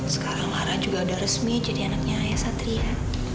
sekarang lara juga sudah resmi jadi anaknya ayah satria